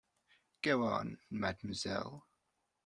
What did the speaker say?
Go on, Mademoiselle.